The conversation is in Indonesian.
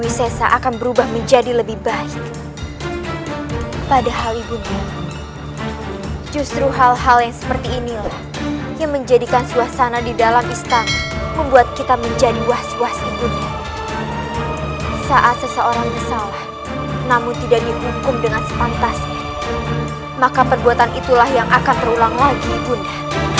ibu nda saat seseorang nesalah namun tidak dihukum dengan sepantasnya maka perbuatan itulah yang akan terulang lagi ibu nda